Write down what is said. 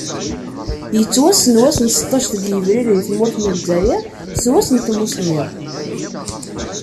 Yettwassen wass n seṭṭac deg yebrir di tmurt n Lezzayer, s wass n tmussni.